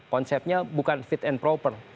konsepnya bukan fit and proper